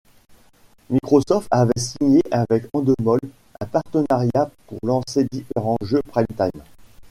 Microsoft avait signé avec Endemol un partenariat pour lancer différents jeux Primetime.